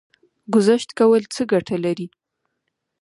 ګذشت کول څه ګټه لري؟